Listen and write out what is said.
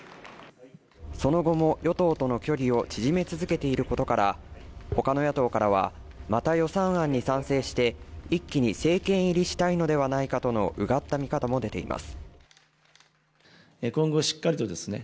その後も与党との距離を縮め続けていることから他の野党からは、また予算案に賛成して、一気に政権入りしたいのではないかといううがった見方も出ています。